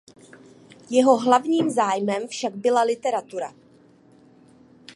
Jeho hlavním zájmem však byla literatura.